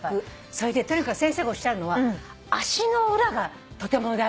それでとにかく先生がおっしゃるのは足の裏がとても大事なんだって。